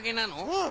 うん！